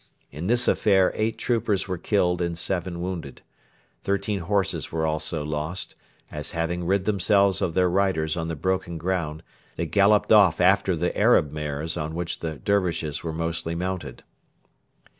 In this affair eight troopers were killed and seven wounded. Thirteen horses were also lost, as, having rid themselves of their riders on the broken ground, they galloped off after the Arab mares on which the Dervishes were mostly mounted.